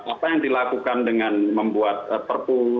apa yang dilakukan dengan membuat perpu